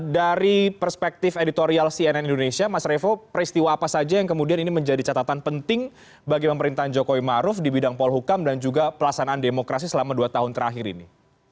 dari perspektif editorial cnn indonesia mas revo peristiwa apa saja yang kemudian ini menjadi catatan penting bagi pemerintahan jokowi maruf di bidang polhukam dan juga pelaksanaan demokrasi selama dua tahun terakhir ini